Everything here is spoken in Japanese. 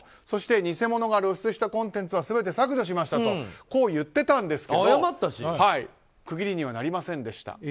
そして、偽物が露出したコンテンツは全て削除しましたとこう言ってたんですけど区切りにはなりませんでした。